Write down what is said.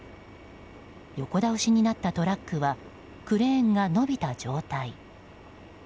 横倒しになったトラックはクレーンが伸びた状態。